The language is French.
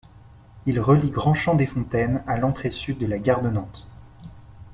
Il relie Grandchamps-des-Fontaines à l'entrée Sud de la Gare de Nantes.